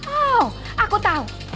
oh aku tahu